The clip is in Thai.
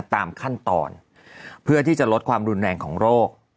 ตามขั้นตอนเพื่อที่จะลดความรุนแรงของโรค